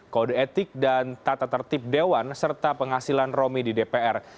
kode etik dan tata tertib dewan serta penghasilan romi di dpr